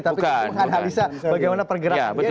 tapi cuma hal hal bisa bagaimana pergerakan dia